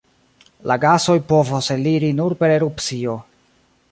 La gasoj povos eliri nur per erupcio.